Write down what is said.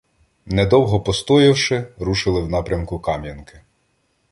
Недовго постоявши, рушили в напрямку Кам'янки.